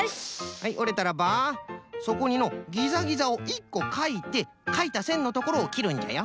はいおれたらばそこにのギザギザを１こかいてかいたせんのところをきるんじゃよ。